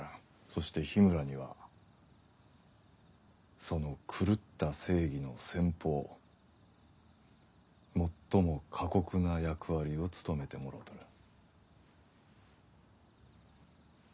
そして緋村にはその狂った正義の先鋒最も過酷な役割を務めてもろうとる。